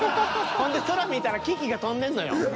ほんで空見たらキキが飛んでんのよ。